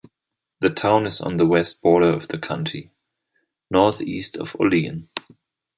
The town is on the west border of the county, northeast of Olean.